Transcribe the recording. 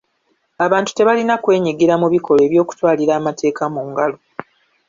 Abantu tebalina kwenyigira mu bikolwa eby'okutwalira amateeka mu ngalo.